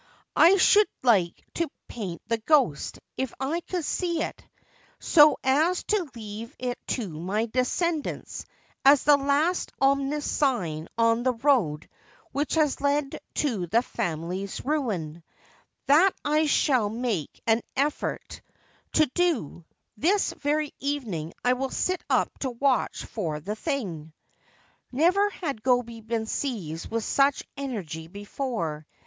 I should like to paint the ghost if I could see it, so as to leave it to my descendants as the last ominous sign on the road which has led to the family's ruin. That I shall make an effort 347 Ancient Tales and Folklore of Japan to do. This very evening I will sit up to watch for the thing.' Never had Gobei been seized with such energy before.